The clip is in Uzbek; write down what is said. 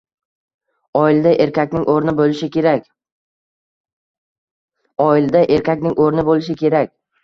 Oilada erkakning o‘rni bo‘lishi kerak.